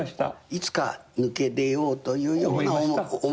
いつか抜け出ようというような思いがあった？